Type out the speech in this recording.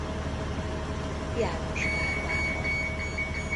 János Pál pápa.